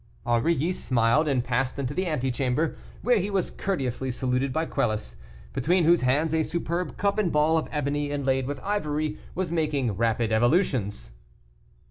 Aurilly smiled, and passed into the ante chamber, where he was courteously saluted by Quelus, between whose hands a superb cup and ball of ebony inlaid with ivory was making rapid evolutions.